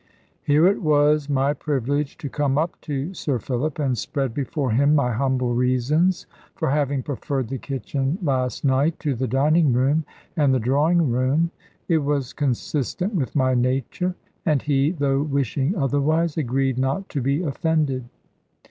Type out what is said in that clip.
Here it was my privilege to come up to Sir Philip, and spread before him my humble reasons for having preferred the kitchen last night to the dining room and the drawing room. It was consistent with my nature; and he, though wishing otherwise, agreed not to be offended.